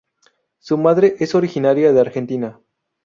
Su madre es originaria de Argentina.